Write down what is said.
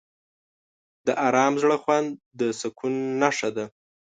د آرام زړه خوند د سکون نښه ده.